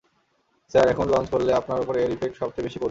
Sir, এখন launch করলে আপনার উপর এর ইফেক্ট সবচেয়ে বেশি পড়বে।